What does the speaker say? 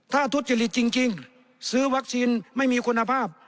ถ้าทุจริตจริงซื้อวัคซีนไม่มีคุณภาพ